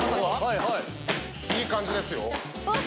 いい感じですよ。